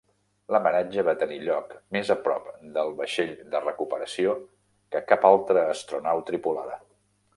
L'amaratge va tenir lloc més a prop del vaixell de recuperació que cap altre astronau tripulada.